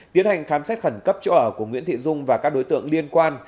tiến hành khám xét khẩn cấp chỗ ở của nguyễn thị dung và các đối tượng liên quan